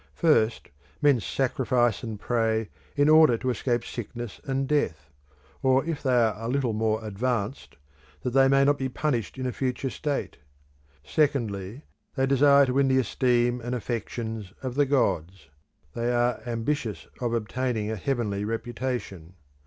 First, men sacrifice and pray in order to escape sickness and death; or if they are a little more advanced, that they may not be punished in a future state. Secondly, they desire to win the esteem and affections of the gods; they are ambitious of obtaining a heavenly reputation.